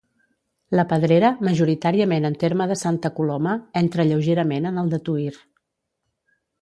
La pedrera, majoritàriament en terme de Santa Coloma, entra lleugerament en el de Tuïr.